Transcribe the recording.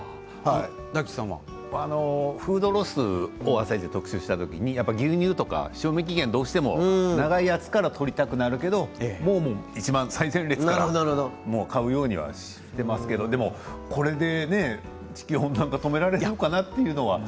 フードロス「あさイチ」で特集した時牛乳とか賞味期限長いやつから取りたくなるけど最前列から買うようにはしていますけどでもこれで地球温暖化止められるのかなというのは。